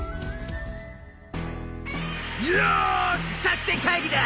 よし作戦会議だ！